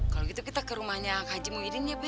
kalau gitu kita ke rumahnya haji muhyiddin ya